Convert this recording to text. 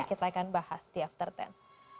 kita akan bahas di after sepuluh